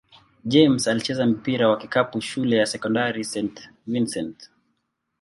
James alicheza mpira wa kikapu shule ya sekondari St. Vincent-St.